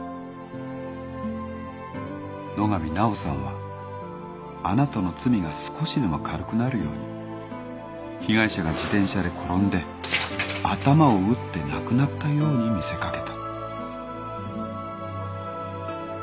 野上奈緒さんはあなたの罪が少しでも軽くなるように被害者が自転車で転んで頭を打って亡くなったように見せ掛けた。